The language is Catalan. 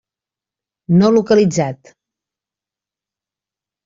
No localitzat.